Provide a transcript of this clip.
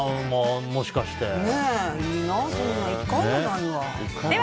もしかして。